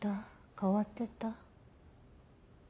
変わってた？